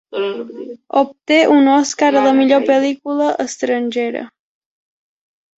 Obté un Òscar a la millor pel·lícula estrangera.